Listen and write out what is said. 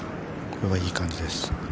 これはいい感じです。